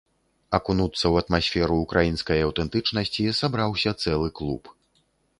Акунуцца ў атмасферу ўкраінскай аўтэнтычнасці сабраўся цэлы клуб.